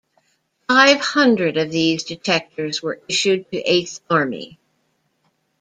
Five hundred of these detectors were issued to Eighth Army.